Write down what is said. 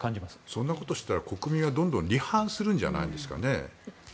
そんなことしたら国民はどんどん離反するんじゃないですかね。